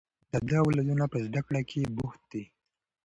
د ده اولادونه په زده کړې بوخت دي